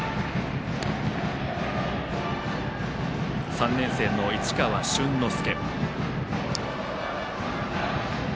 ３年生の市川春之介。